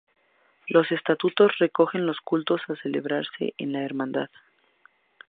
Los Estatutos recogen los cultos a celebrarse en la Hermandad.